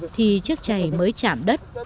thì chiếc chày mới chạm đất